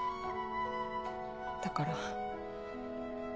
だから。